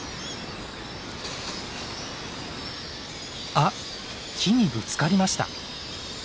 あっ木にぶつかりました。